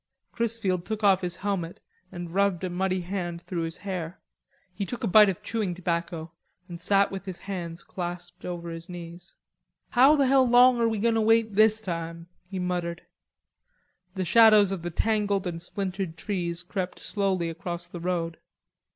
Chrisfield took off his helmet and rubbed a muddy hand through his hair. He took a bite of chewing tobacco and sat with his hands clasped over his knees. "How the hell long are we going to wait this time?" he muttered. The shadows of the tangled and splintered trees crept slowly across the road.